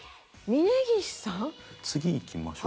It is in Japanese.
次いきましょうか。